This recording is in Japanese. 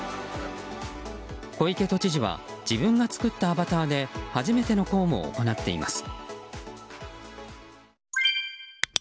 小池都知事は自分が作ったアバターで初めての公務を行っています。